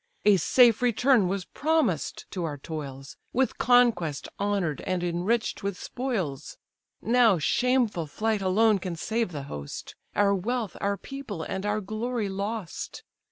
A safe return was promised to our toils, With conquest honour'd and enrich'd with spoils: Now shameful flight alone can save the host; Our wealth, our people, and our glory lost.